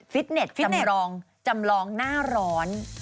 เน็ตจำลองจำลองหน้าร้อน